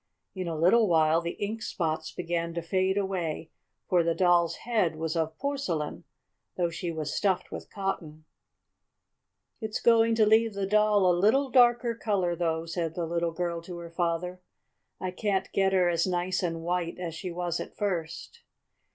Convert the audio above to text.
In a little while the ink spots began to fade away, for the Doll's head was of porcelain, though she was stuffed with cotton. "It's going to leave the Doll a little darker color, though," said the little girl to her father. "I can't get her as nice and white as she was at first."